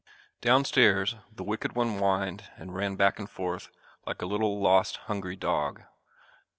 Down stairs the wicked one whined and ran back and forth like a little lost hungry dog.